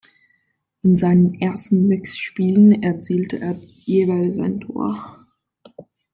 In seinen ersten sechs Spielen erzielte er jeweils ein Tor.